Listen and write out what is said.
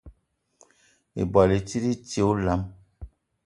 Ibwal i tit i ti olam.